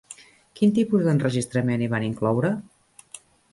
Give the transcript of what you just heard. Quin tipus d'enregistrament hi van incloure?